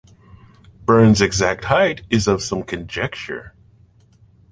Byrne's exact height is of some conjecture.